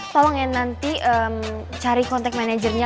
tolong ya nanti cari contact managernya